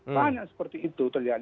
banyak seperti itu terjadi